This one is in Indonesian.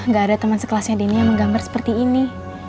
gak ada teman sekelasnya dini yang menggambar seperti ini